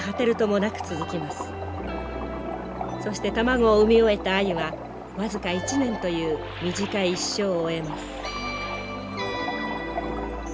そして卵を産み終えたアユは僅か１年という短い一生を終えます。